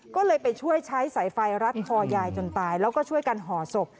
ก็เลยไปช่วยใช้สายไฟรัดคอยายจนตายแล้วก็ช่วยกันห่อศพ